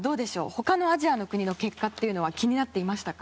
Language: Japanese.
他のアジアの国の結果というのは気になっていましたか？